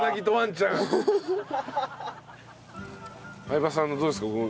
相葉さんのどうですか？